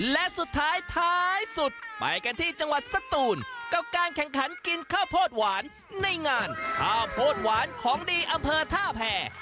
และสุดท้ายท้ายสุดไปกันที่จังหวัดสตูนกับการแข่งขันกินข้าวโพดหวานในงานข้าวโพดหวานของดีอำเภอท่าแผ่